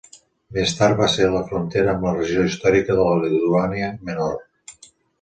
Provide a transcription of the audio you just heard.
Més tard va ser la frontera amb la regió històrica de la Lituània Menor.